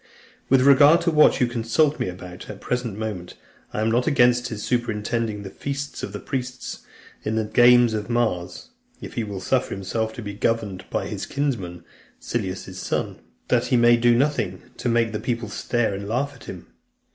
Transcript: With regard to what you consult me about at the present moment, I am not against his superintending the feast of the priests, in the games of Mars, if he will suffer himself to be governed by his kinsman, Silanus's son, that he may do nothing to make the people stare and laugh at him.